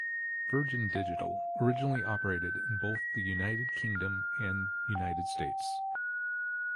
Virgin Digital originally operated in both the United Kingdom and United States.